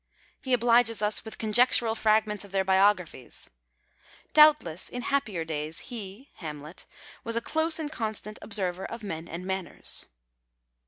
He obliges us with con jectural fragments of their biographies. " Doubt less in happier days he (Hamlet) was a close and constant observer of men and manners."